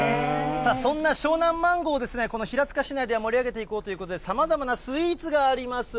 さあ、そんな湘南マンゴーですね、この平塚市内では盛り上げていこうということで、さまざまなスイーツがあります。